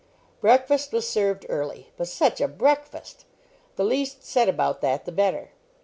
Breakfast was served early; but such a breakfast! the least said about that the better.